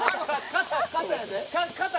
肩、肩やで？